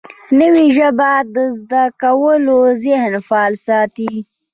نوې ژبه زده کول ذهن فعال ساتي